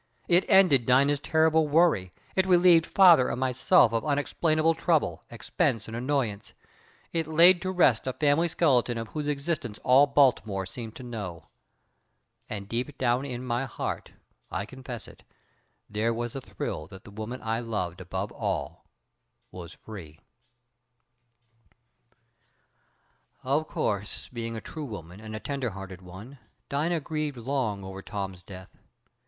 It ended Dina's terrible worry, it relieved father and myself of unexplainable trouble, expense and annoyance, it laid to rest a family skeleton of whose existence all Baltimore seemed to know. And deep down in my heart, I confess it, there was a thrill that the woman I loved above all was free. "Of course, being a true woman, and a tender hearted one, Dina grieved long over Tom's death.